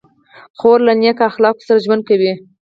خور له نیک اخلاقو سره ژوند کوي.